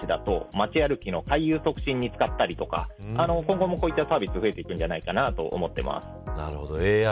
例えば官公庁だと街歩きの促進に使ったりとか今後も、こういったサービス増えていくんじゃないかなと思ってます。